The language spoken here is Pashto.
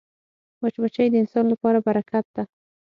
مچمچۍ د انسان لپاره برکت ده